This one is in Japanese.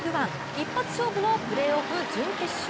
一発勝負のプレーオフ準決勝。